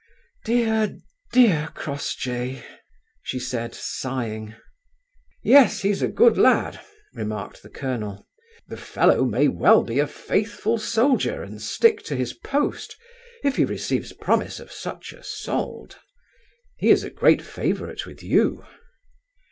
"Dear, dear Crossjay!" she said, sighing. "Yes, he's a good lad," remarked the colonel. "The fellow may well be a faithful soldier and stick to his post, if he receives promise of such a solde. He is a great favourite with you."